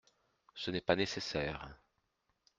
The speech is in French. Ce n’est pas nécessaire…